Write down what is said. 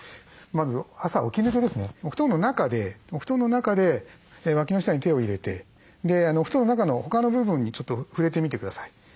まず朝起き抜けですねお布団の中で脇の下に手を入れてでお布団の中の他の部分にちょっと触れてみて下さい。